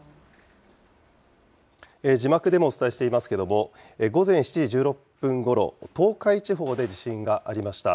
字幕でもお伝えしていますけれども、午前７時１６分ごろ、東海地方で地震がありました。